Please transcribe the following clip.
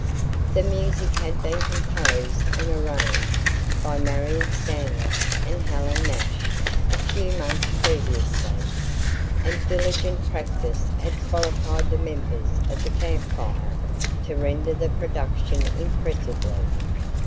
The music had been composed and arranged by Marion Stanlock and Helen Nash a few months previously, and diligent practice had qualified the members of the Camp Fire to render the production impressively.